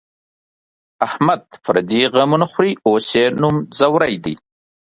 احمد پردي غمونه خوري، اوس یې نوم ځوری دی.